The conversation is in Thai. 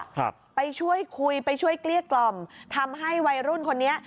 ครับไปช่วยคุยไปช่วยเกลี้ยกล่อมทำให้วัยรุ่นคนนี้